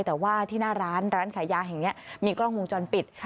แต่ว่าที่หน้าร้านร้านขายยาแห่งนี้มีกล้องวงจรปิด